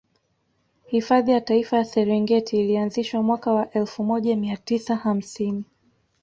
Hifadhi ya Taifa ya Serengeti ilianzishwa mwaka wa elfu moja mia tisa hamsini